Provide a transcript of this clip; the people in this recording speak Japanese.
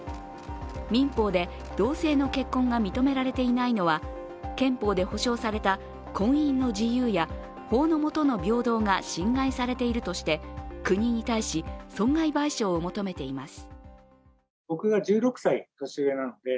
民法で同性の結婚が認められていないのは憲法で保障された婚姻の自由や法の下の平等が侵害されているとして国に対し、損害賠償を求めています